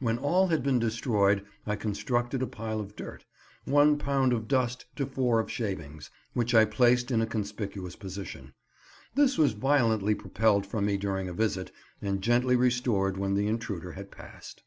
When all had been destroyed I constructed a pile of dirt—one pound of dust to four of shavings—which I placed in a conspicuous position. This was violently propelled from me during a visit, and gently restored when the intruder had passed.